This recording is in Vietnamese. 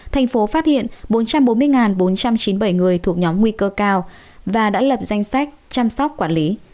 thành phố phát hiện bốn trăm bốn mươi bốn trăm chín mươi bảy người thuộc nhóm nguy cơ cao và đã lập danh sách chăm sóc quản lý